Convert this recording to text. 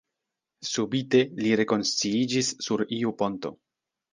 Subite li rekonsciiĝis sur iu ponto.